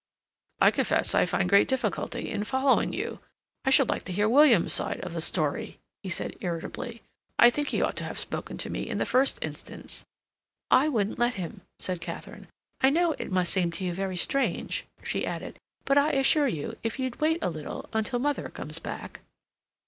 "I confess I find great difficulty in following you. I should like to hear William's side of the story," he said irritably. "I think he ought to have spoken to me in the first instance." "I wouldn't let him," said Katharine. "I know it must seem to you very strange," she added. "But I assure you, if you'd wait a little—until mother comes back."